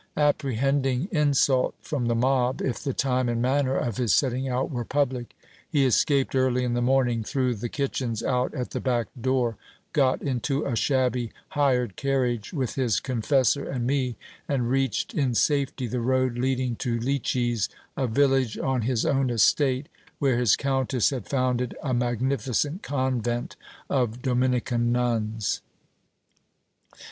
Apprehending insult from the mob, if the time and manner of his setting out were public, he escaped early in the morning through the kitchens out at the back door, got in to a shabby, hired carriage, with his confessor and me, and reached in safety the road leading to Loeches, a village on his own estate, where his countess had founded a magnificent convent of Dominican nuns.